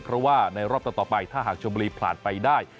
เพราะว่าในรอบต่อไปถ้าหากชมบุรีผ่านไปได้